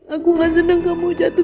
aku gak senang kamu jatuh